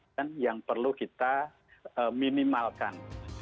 dan yang perlu kita minimalkan